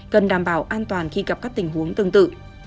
cần đảm bảo an toàn khi gặp các tình huống tương tự